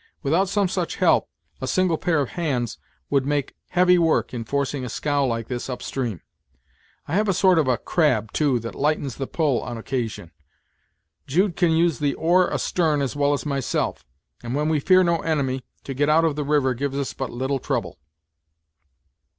Without some such help, a single pair of hands would make heavy work in forcing a scow like this up stream. I have a sort of a crab, too, that lightens the pull, on occasion. Jude can use the oar astern as well as myself; and when we fear no enemy, to get out of the river gives us but little trouble."